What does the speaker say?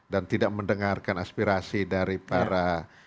dan tidak mendengarkan aspirasi dari para